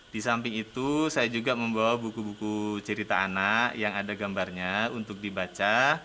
di samping itu saya juga membawa buku buku cerita anak yang ada gambarnya untuk dibaca